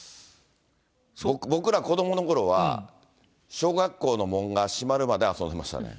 僕ら、子どものころは、小学校の門が閉まるまで遊んでましたね。